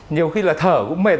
nhiều khi là thở cũng mệt